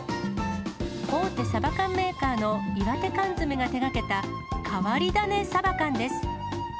大手サバ缶メーカーの岩手缶詰が手がけた変わり種サバ缶です。